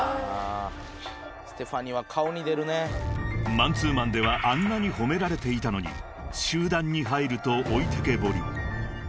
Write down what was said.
［マンツーマンではあんなに褒められていたのに集団に入ると置いてけぼり］